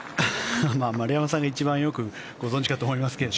丸山さんが一番よくご存じかと思いますけどね。